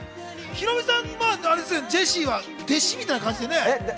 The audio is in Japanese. ヒロミさん、ジェシーは弟子みたいな感じでね。